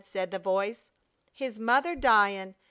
said the voice. "His mother dyin'!